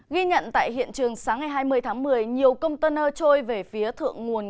ghi nhận tại hiện trường sáng ngày hai mươi tháng một mươi nhiều công tân hơ trôi về phía thượng nguồn